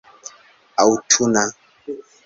aŭtuna